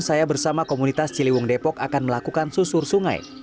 saya bersama komunitas ciliwung depok akan melakukan susur sungai